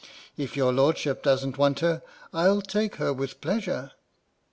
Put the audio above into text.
" If your Lordship doesn't want her, I'll take her with pleasure."